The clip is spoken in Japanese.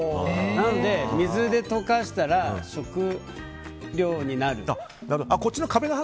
なので水で溶かしたら食料になる。